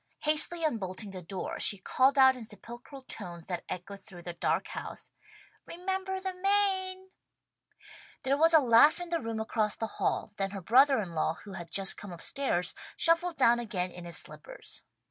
Hastily unbolting the door she called out in sepulchral tones that echoed through the dark house, "Remember the Maine!" There was a laugh in the room across the hall, then her brother in law who had just come up stairs, shuffled down again in his slippers.